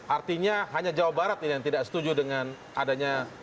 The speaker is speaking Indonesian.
artinya hanya jawa barat ini yang tidak setuju dengan adanya